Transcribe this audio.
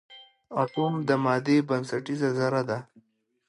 اټوم د مادې بنسټیزه ذره ده.